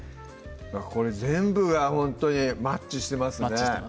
これ全部がほんとにマッチしてますね